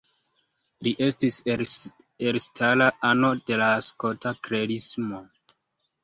Li estis elstara ano de la Skota Klerismo.